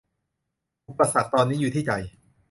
อุปสรรคตอนนี้อยู่ที่ใจ